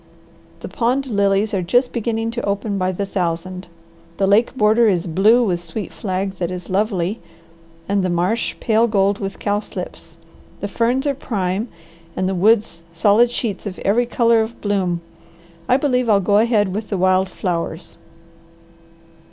The pond lilies are just beginning to open by the thousand. The lake border is blue with sweet flag that is lovely and the marsh pale gold with cowslips. The ferns are prime and the woods solid sheets of every colour of bloom. I believe I'll go ahead with the wild flowers."